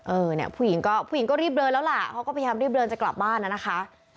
เออเนี่ยผู้หญิงก็ผู้หญิงก็รีบเดินแล้วล่ะเขาก็พยายามรีบเดินจะกลับบ้านน่ะนะคะ